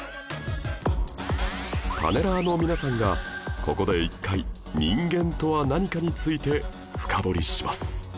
パネラーの皆さんがここで一回人間とは何かについて深掘りします